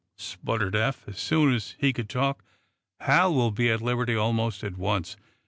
sputtered Eph, as soon as he could talk. "Hal will be at liberty almost at once.